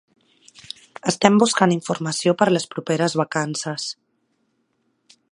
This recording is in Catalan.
Estem buscant informació per les properes vacances